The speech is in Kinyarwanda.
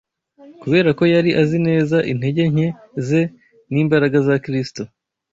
Kubera ko yari azi neza intege nke ze n’imbaraga za Kristo